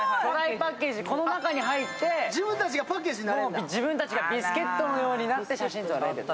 この中に入って自分たちがビスケットのようになって写真が撮れる。